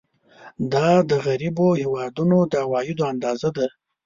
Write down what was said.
دا د غریبو هېوادونو د عوایدو اندازه ده.